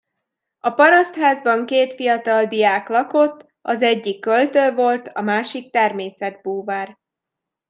A parasztházban két fiatal diák lakott; az egyik költő volt, a másik természetbúvár.